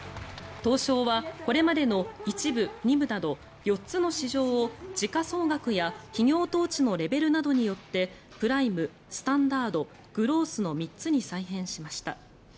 東証はこれまでの１部、２部など４つの市場を時価総額や企業統治のレベルなどによってプライム、スタンダードグロースの３つに再編しました。